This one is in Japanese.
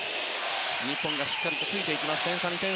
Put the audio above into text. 日本がしっかりとついていきます。